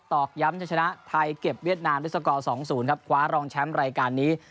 อกย้ำจะชนะไทยเก็บเวียดนามด้วยสกอร์๒๐ครับคว้ารองแชมป์รายการนี้